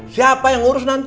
siapa yang urus nanti